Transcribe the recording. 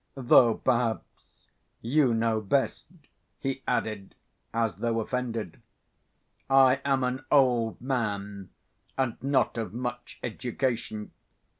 Though perhaps you know best," he added, as though offended. "I am an old man and not of much education.